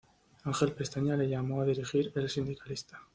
Ángel Pestaña le llamó a dirigir "El Sindicalista".